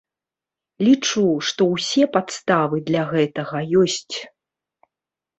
Лічу, што ўсе падставы для гэтага ёсць.